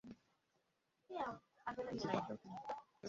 ওকে বাঁচাও প্লীজ।